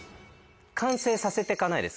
完成させてかないです